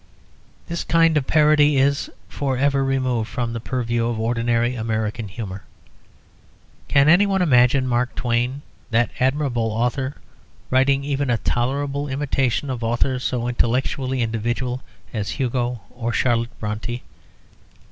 This kind of parody is for ever removed from the purview of ordinary American humour. Can anyone imagine Mark Twain, that admirable author, writing even a tolerable imitation of authors so intellectually individual as Hugo or Charlotte Brontë?